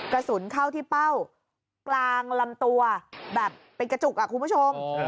กระสุนเข้าที่เป้ากลางลำตัวแบบเป็นกระจุกอ่ะคุณผู้ชม